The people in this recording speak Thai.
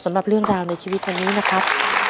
สำหรับเรื่องราวในชีวิตวันนี้นะครับ